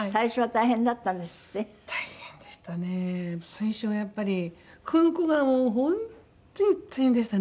最初はやっぱりこの子がもう本当に大変でしたね。